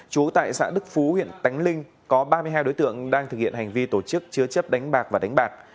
chú tại xã đức phú huyện tánh linh có ba mươi hai đối tượng đang thực hiện hành vi tổ chức chứa chấp đánh bạc và đánh bạc